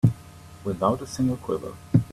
Without a single quiver.